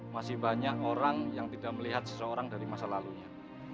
masih banyak orang yang tidak melihat seseorang dari masa lalunya